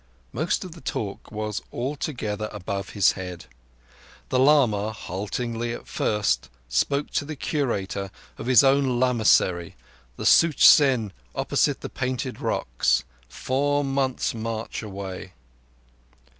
Most of the talk was altogether above his head. The lama, haltingly at first, spoke to the Curator of his own lamassery, the Such zen, opposite the Painted Rocks, four months' march away.